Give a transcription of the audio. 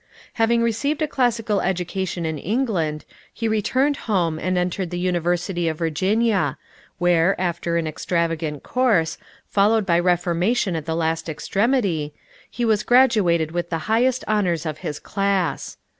Having received a classical education in England, he returned home and entered the University of Virginia, where, after an extravagant course, followed by reformation at the last extremity, he was graduated with the highest honors of his class.